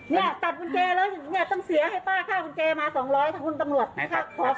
ตัดบุญแจแล้วต้องเสียให้ป้าข้าบุญแจมา๒๐๐บาท